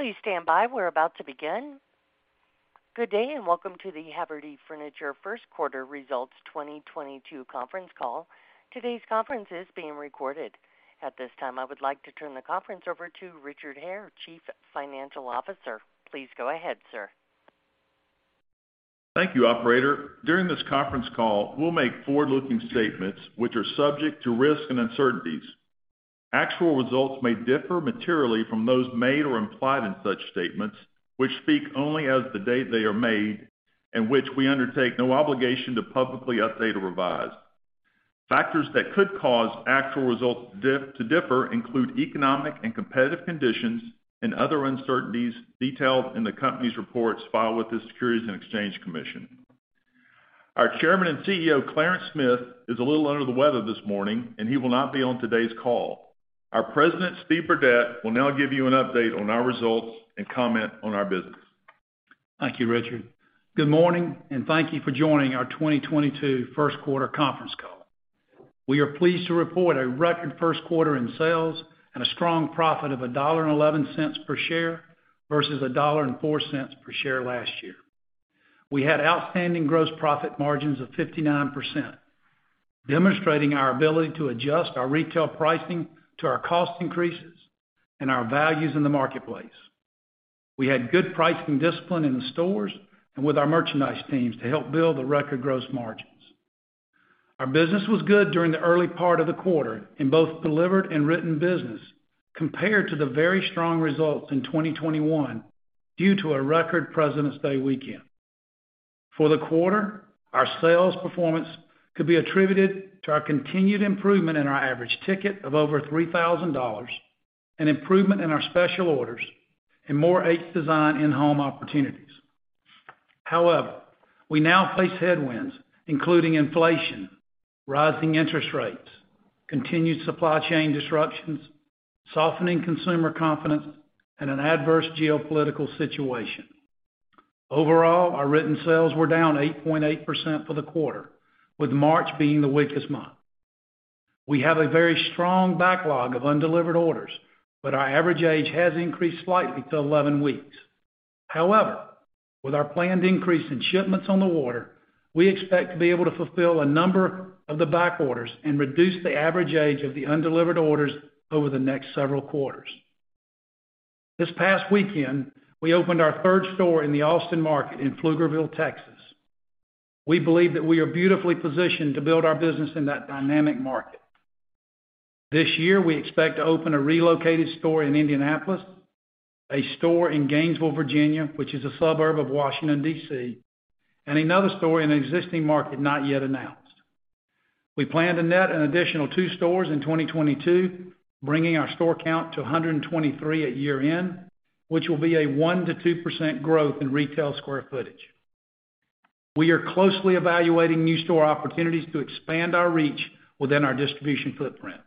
Please stand by. We're about to begin. Good day, and welcome to the Haverty Furniture first quarter results 2022 conference call. Today's conference is being recorded. At this time, I would like to turn the conference over to Richard Hare, Chief Financial Officer. Please go ahead, sir. Thank you, operator. During this conference call, we'll make forward-looking statements which are subject to risks and uncertainties. Actual results may differ materially from those made or implied in such statements, which speak only as of the date they are made and which we undertake no obligation to publicly update or revise. Factors that could cause actual results to differ include economic and competitive conditions and other uncertainties detailed in the company's reports filed with the Securities and Exchange Commission. Our Chairman and CEO, Clarence Smith, is a little under the weather this morning, and he will not be on today's call. Our President, Steve Burdette, will now give you an update on our results and comment on our business. Thank you, Richard. Good morning, and thank you for joining our 2022 first quarter conference call. We are pleased to report a record first quarter in sales and a strong profit of $1.11 per share versus $1.04 per share last year. We had outstanding gross profit margins of 59%, demonstrating our ability to adjust our retail pricing to our cost increases and our values in the marketplace. We had good pricing discipline in the stores and with our merchandise teams to help build the record gross margins. Our business was good during the early part of the quarter in both delivered and written business compared to the very strong results in 2021 due to a record President's Day weekend. For the quarter, our sales performance could be attributed to our continued improvement in our average ticket of over $3,000, an improvement in our special orders, and more H Design in-home opportunities. However, we now face headwinds, including inflation, rising interest rates, continued supply chain disruptions, softening consumer confidence, and an adverse geopolitical situation. Overall, our written sales were down 8.8% for the quarter, with March being the weakest month. We have a very strong backlog of undelivered orders, but our average age has increased slightly to 11-weeks. However, with our planned increase in shipments on the water, we expect to be able to fulfill a number of the backorders and reduce the average age of the undelivered orders over the next several quarters. This past weekend, we opened our third store in the Austin market in Pflugerville, Texas. We believe that we are beautifully positioned to build our business in that dynamic market. This year, we expect to open a relocated store in Indianapolis, a store in Gainesville, Virginia, which is a suburb of Washington, D.C., and another store in an existing market not yet announced. We plan to net an additional two stores in 2022, bringing our store count to 123 at year-end, which will be a 1%-2% growth in retail square footage. We are closely evaluating new store opportunities to expand our reach within our distribution footprint.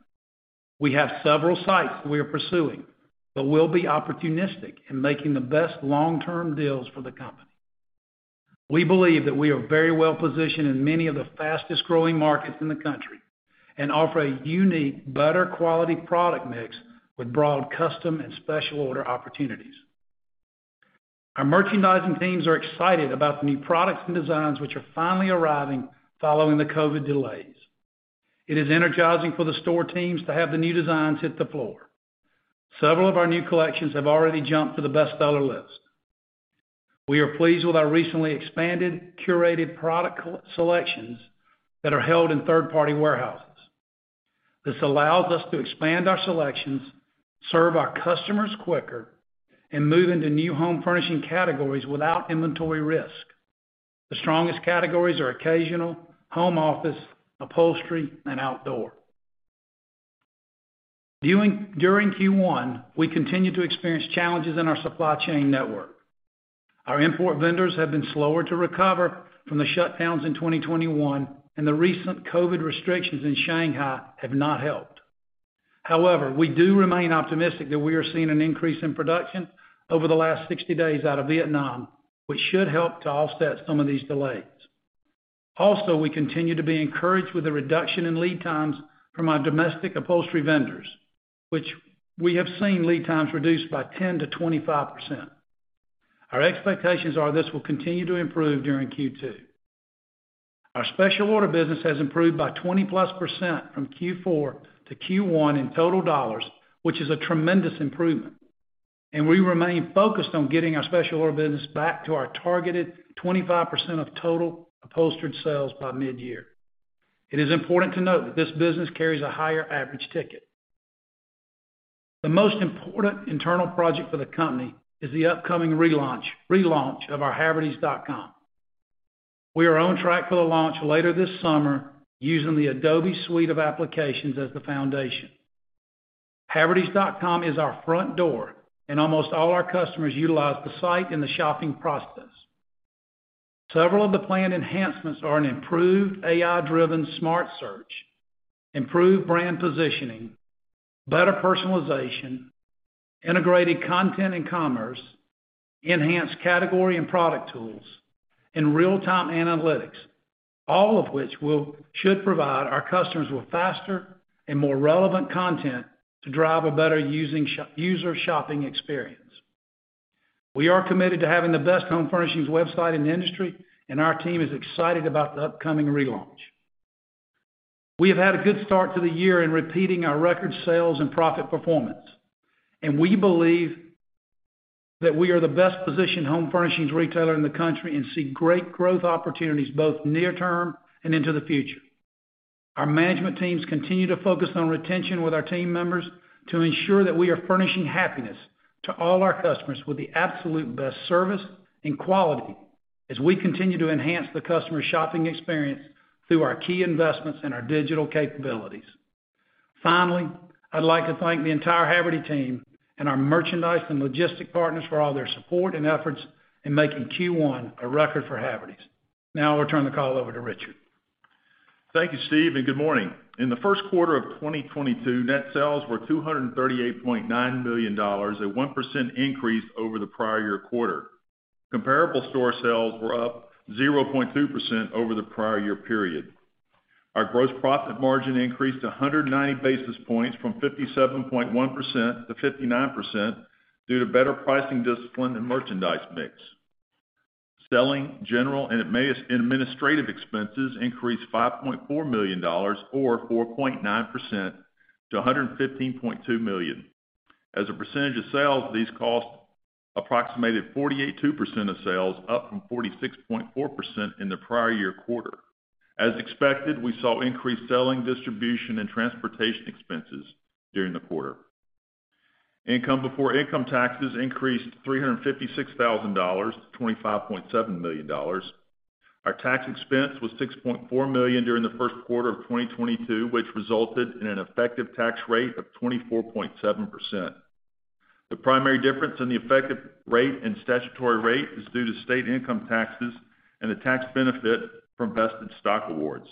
We have several sites we are pursuing, but we'll be opportunistic in making the best long-term deals for the company. We believe that we are very well-positioned in many of the fastest-growing markets in the country and offer a unique, better quality product mix with broad custom and special order opportunities. Our merchandising teams are excited about the new products and designs which are finally arriving following the COVID delays. It is energizing for the store teams to have the new designs hit the floor. Several of our new collections have already jumped to the bestseller list. We are pleased with our recently expanded curated product selections that are held in third-party warehouses. This allows us to expand our selections, serve our customers quicker, and move into new home furnishing categories without inventory risk. The strongest categories are occasional, home office, upholstery, and outdoor. During Q1, we continued to experience challenges in our supply chain network. Our import vendors have been slower to recover from the shutdowns in 2021, and the recent COVID restrictions in Shanghai have not helped. However, we do remain optimistic that we are seeing an increase in production over the last 60-days out of Vietnam, which should help to offset some of these delays. Also, we continue to be encouraged with the reduction in lead times from our domestic upholstery vendors, which we have seen lead times reduced by 10%-25%. Our expectations are this will continue to improve during Q2. Our special order business has improved by 20%+ from Q4-Q1 in total dollars, which is a tremendous improvement, and we remain focused on getting our special order business back to our targeted 25% of total upholstered sales by mid-year. It is important to note that this business carries a higher average ticket. The most important internal project for the company is the upcoming relaunch of our havertys.com. We are on track for the launch later this summer using the Adobe suite of applications as the foundation. Havertys.com is our front door, and almost all our customers utilize the site in the shopping process. Several of the planned enhancements are an improved AI-driven smart search, improved brand positioning, better personalization, integrated content and commerce-enhanced category and product tools, and real-time analytics, all of which should provide our customers with faster and more relevant content to drive a better user shopping experience. We are committed to having the best home furnishings website in the industry, and our team is excited about the upcoming relaunch. We have had a good start to the year in repeating our record sales and profit performance, and we believe that we are the best-positioned home furnishings retailer in the country and see great growth opportunities, both near term and into the future. Our management teams continue to focus on retention with our team members to ensure that we are furnishing happiness to all our customers with the absolute best service and quality as we continue to enhance the customer shopping experience through our key investments in our digital capabilities. Finally, I'd like to thank the entire Havertys team and our merchandise and logistic partners for all their support and efforts in making Q1 a record for Havertys. Now I'll turn the call over to Richard. Thank you, Steve, and good morning. In the first quarter of 2022, net sales were $238.9 million, a 1% increase over the prior year quarter. Comparable store sales were up 0.2% over the prior year period. Our gross profit margin increased 190 basis points from 57.1%-59% due to better pricing discipline and merchandise mix. Selling, general, and administrative expenses increased $5.4 million or 4.9% to $115.2 million. As a percentage of sales, these costs approximated 48.2% of sales, up from 46.4% in the prior year quarter. As expected, we saw increased selling, distribution, and transportation expenses during the quarter. Income before income taxes increased $356,000-$25.7 million. Our tax expense was $6.4 million during the first quarter of 2022, which resulted in an effective tax rate of 24.7%. The primary difference in the effective rate and statutory rate is due to state income taxes and the tax benefit from vested stock awards.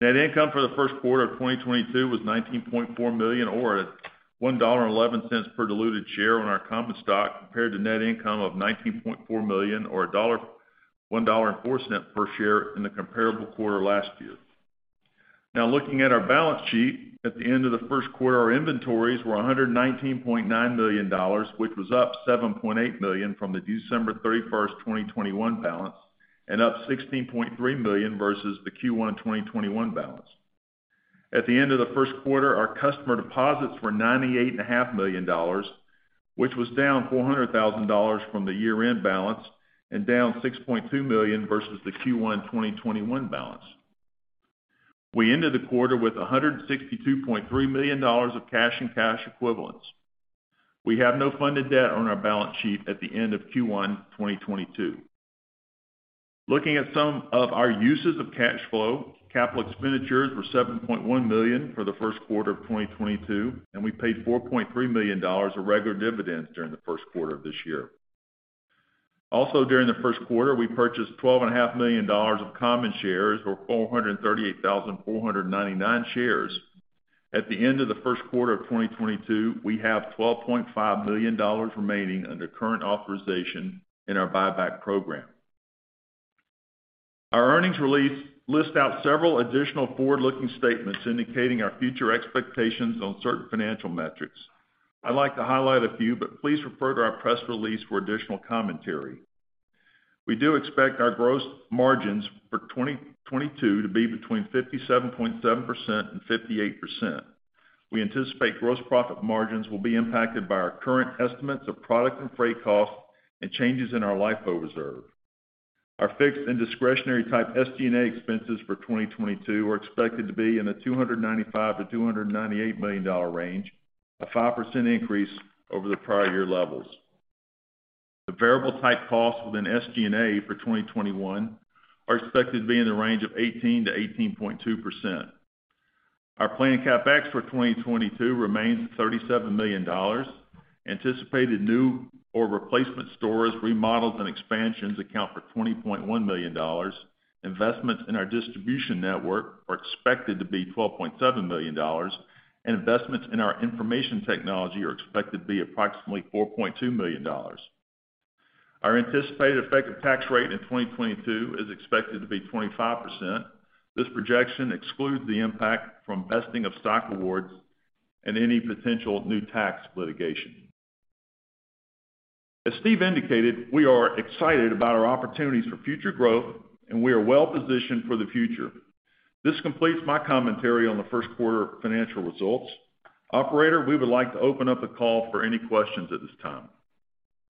Net income for the first quarter of 2022 was $19.4 million or $1.11 per diluted share on our common stock compared to net income of $19.4 million or $1.04 per share in the comparable quarter last year. Now looking at our balance sheet, at the end of the first quarter, our inventories were $119.9 million, which was up $7.8 million from the December 31, 2021 balance and up $16.3 million versus the Q1 2021 balance. At the end of the first quarter, our customer deposits were $98.5 million, which was down $400,000 from the year-end balance and down $6.2 million versus the Q1 2021 balance. We ended the quarter with $162.3 million of cash and cash equivalents. We have no funded debt on our balance sheet at the end of Q1 2022. Looking at some of our uses of cash flow, capital expenditures were $7.1 million for the first quarter of 2022, and we paid $4.3 million of regular dividends during the first quarter of this year. Also, during the first quarter, we purchased $12.5 million of common shares, or 438,499 shares. At the end of the first quarter of 2022, we have $12.5 million remaining under current authorization in our buyback program. Our earnings release lists out several additional forward-looking statements indicating our future expectations on certain financial metrics. I'd like to highlight a few, but please refer to our press release for additional commentary. We do expect our gross margins for 2022 to be between 57.7% and 58%. We anticipate gross profit margins will be impacted by our current estimates of product and freight costs and changes in our LIFO reserve. Our fixed and discretionary type SG&A expenses for 2022 are expected to be in the $295 million-$298 million range, a 5% increase over the prior year levels. The variable type costs within SG&A for 2021 are expected to be in the range of 18%-18.2%. Our planned CapEx for 2022 remains at $37 million. Anticipated new or replacement stores, remodels, and expansions account for $20.1 million. Investments in our distribution network are expected to be $12.7 million, and investments in our information technology are expected to be approximately $4.2 million. Our anticipated effective tax rate in 2022 is expected to be 25%. This projection excludes the impact from vesting of stock awards and any potential new tax litigation. As Steve indicated, we are excited about our opportunities for future growth, and we are well positioned for the future. This completes my commentary on the first quarter financial results. Operator, we would like to open up the call for any questions at this time.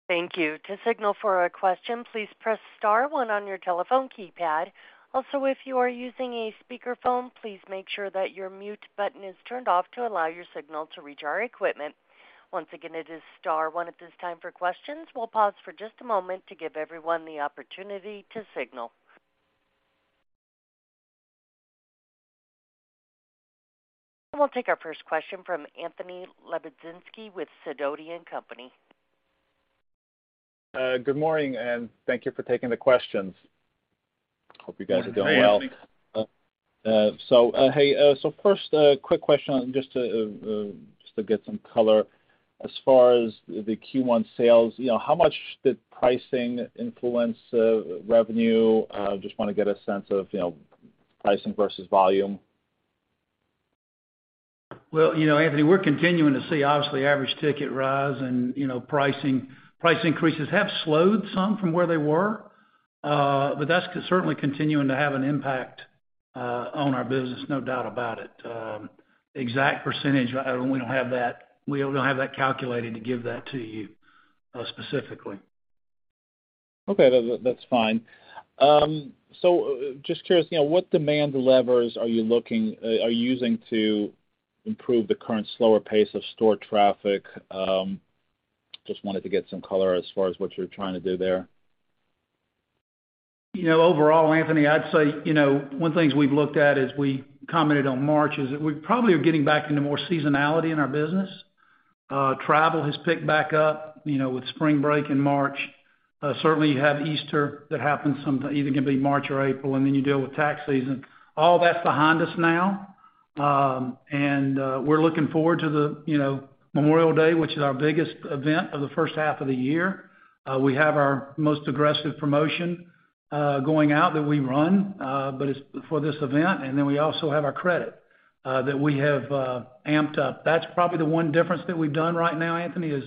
Thank you. To signal for a question, please press star one on your telephone keypad. Also, if you are using a speakerphone, please make sure that your mute button is turned off to allow your signal to reach our equipment. Once again, it is star one at this time for questions. We'll pause for just a moment to give everyone the opportunity to signal. We'll take our first question from Anthony Lebiedzinski with Sidoti & Company. Good morning, and thank you for taking the questions. Hope you guys are doing well. Hey, Anthony. Hey, first, a quick question just to get some color. As far as the Q1 sales, you know, how much did pricing influence revenue? Just wanna get a sense of, you know, pricing versus volume. Well, you know, Anthony Lebiedzinski, we're continuing to see obviously average ticket rise and, you know, pricing. Price increases have slowed some from where they were, but that's certainly continuing to have an impact on our business, no doubt about it. Exact percentage, we don't have that. We don't have that calculated to give that to you, specifically. Okay. That's fine. Just curious, you know, what demand levers are you using to improve the current slower pace of store traffic? Just wanted to get some color as far as what you're trying to do there. You know, overall, Anthony, I'd say, you know, one of the things we've looked at as we commented on March is we probably are getting back into more seasonality in our business. Travel has picked back up, you know, with spring break in March. Certainly, Easter can be either in March or April, and then you deal with tax season. All that's behind us now, and we're looking forward to the, you know, Memorial Day, which is our biggest event of the first half of the year. We have our most aggressive promotion going out that we run, but it's for this event. Then we also have our credit that we have amped up. That's probably the one difference that we've done right now, Anthony, is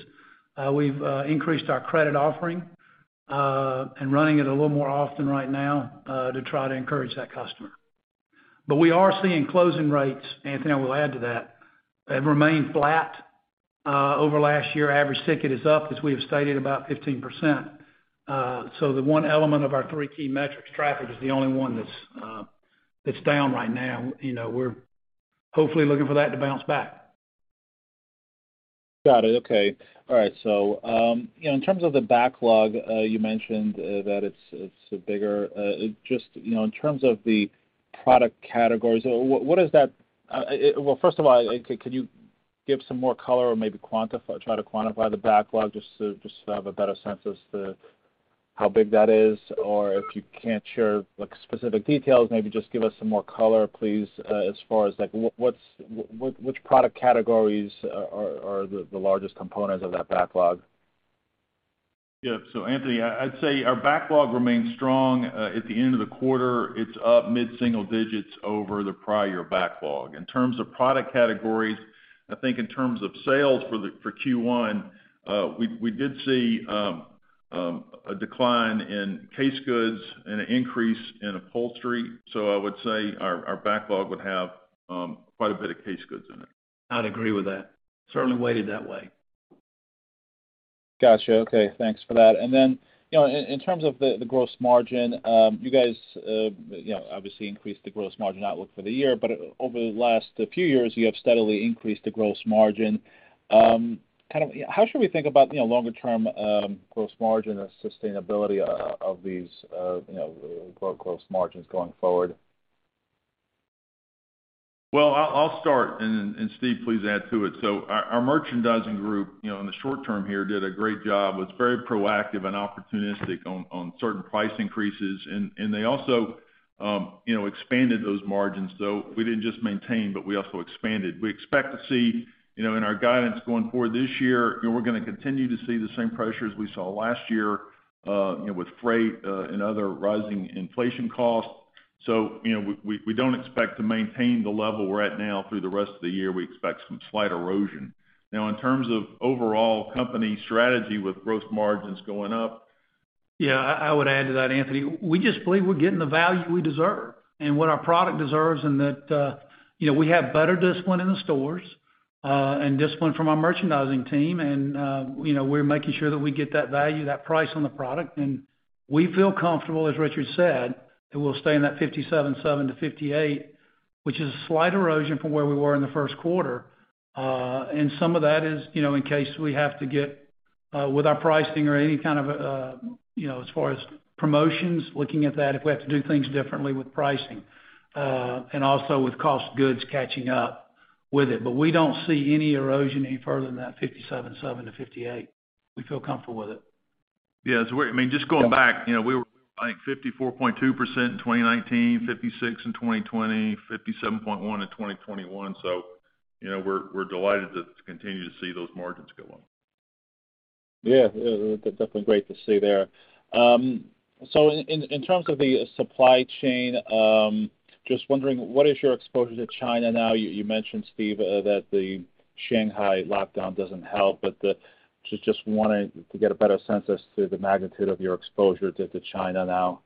we've increased our credit offering and running it a little more often right now to try to encourage that customer. We are seeing closing rates, Anthony. I will add to that, have remained flat over last year. Average ticket is up, as we have stated, about 15%. The one element of our three key metrics, traffic is the only one that's down right now. You know, we're hopefully looking for that to bounce back. Got it. Okay. All right. You know, in terms of the backlog, you mentioned that it's bigger. Just, you know, in terms of the product categories, what is that. Well, first of all, can you give some more color or maybe try to quantify the backlog just to have a better sense as to how big that is? Or if you can't share like specific details, maybe just give us some more color, please, as far as, like, which product categories are the largest components of that backlog? Yeah. Anthony, I'd say our backlog remains strong. At the end of the quarter, it's up mid-single digits over the prior backlog. In terms of product categories, I think in terms of sales for Q1, we did see a decline in case goods and an increase in upholstery. I would say our backlog would have quite a bit of case goods in it. I'd agree with that. Certainly weighted that way. Gotcha. Okay, thanks for that. Then, you know, in terms of the gross margin, you guys, you know, obviously increased the gross margin outlook for the year. Over the last few years, you have steadily increased the gross margin. Kind of how should we think about, you know, longer term, gross margin and sustainability of these, you know, gross margins going forward? Well, I'll start and Steve, please add to it. Our merchandising group, you know, in the short-term here did a great job, was very proactive and opportunistic on certain price increases. They also, you know, expanded those margins. We didn't just maintain, but we also expanded. We expect to see, you know, in our guidance going forward this year, you know, we're gonna continue to see the same pressures we saw last year, you know, with freight and other rising inflation costs. We don't expect to maintain the level we're at now through the rest of the year. We expect some slight erosion. Now, in terms of overall company strategy with gross margins going up. Yeah, I would add to that, Anthony. We just believe we're getting the value we deserve and what our product deserves and that, you know, we have better discipline in the stores, and discipline from our merchandising team. You know, we're making sure that we get that value, that price on the product. We feel comfortable, as Richard said, that we'll stay in that 57.7%-58%, which is a slight erosion from where we were in the first quarter. Some of that is, you know, in case we have to get with our pricing or any kind of, you know, as far as promotions, looking at that, if we have to do things differently with pricing, and also with cost of goods catching up with it. We don't see any erosion any further than that 57.7%-58%. We feel comfortable with it. I mean, just going back, you know, we were, I think, 54.2% in 2019, 56% in 2020, 57.1% in 2021. You know, we're delighted to continue to see those margins go on. Yeah. That's definitely great to see there. So in terms of the supply chain, just wondering what is your exposure to China now? You mentioned, Steve, that the Shanghai lockdown doesn't help. Just wanting to get a better sense as to the magnitude of your exposure to China now.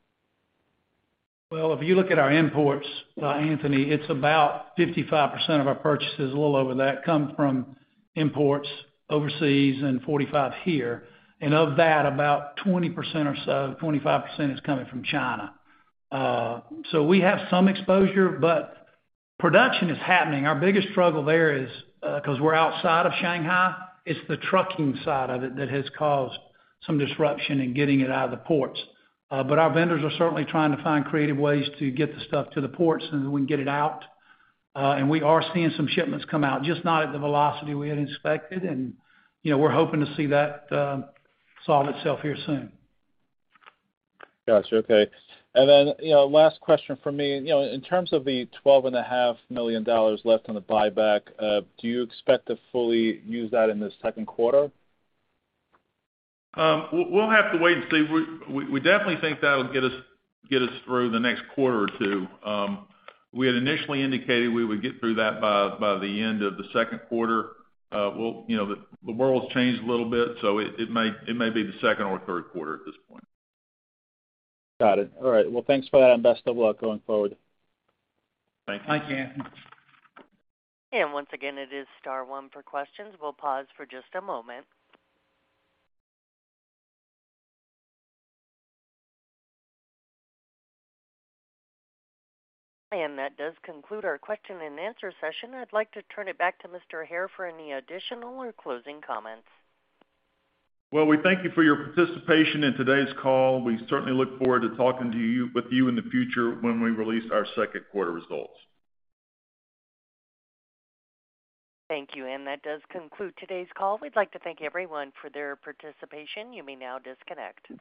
Well, if you look at our imports, Anthony, it's about 55% of our purchases, a little over that, come from imports overseas and 45 here. Of that, about 20% or so, 25% is coming from China. We have some exposure, but production is happening. Our biggest struggle there is, 'cause we're outside of Shanghai, it's the trucking side of it that has caused some disruption in getting it out of the ports. Our vendors are certainly trying to find creative ways to get the stuff to the ports and we can get it out. We are seeing some shipments come out, just not at the velocity we had expected. You know, we're hoping to see that solve itself here soon. Got you. Okay. You know, last question from me. You know, in terms of the $12.5 million left on the buyback, do you expect to fully use that in this second quarter? We'll have to wait and see. We definitely think that'll get us through the next quarter or two. We had initially indicated we would get through that by the end of the second quarter. You know, the world's changed a little bit, so it may be the second or third quarter at this point. Got it. All right. Well, thanks for that and best of luck going forward. Thanks. Thank you. Once again, it is star one for questions. We'll pause for just a moment. That does conclude our question and answer session. I'd like to turn it back to Mr. Hare for any additional or closing comments. Well, we thank you for your participation in today's call. We certainly look forward to talking with you in the future when we release our second quarter results. Thank you. That does conclude today's call. We'd like to thank everyone for their participation. You may now disconnect.